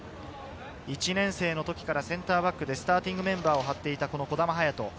１年生の時からセンターバックでスターティングメンバーを張っていた児玉勇翔。